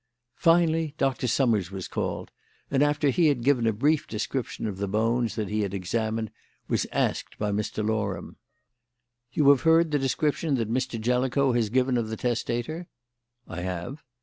Finally Dr. Summers was called, and, after he had given a brief description of the bones that he had examined, was asked by Mr. Loram: "You have heard the description that Mr. Jellicoe has given of the testator?" "I have."